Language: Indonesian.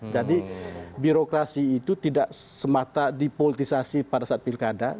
jadi birokrasi itu tidak semata dipolitisasi pada saat pilkada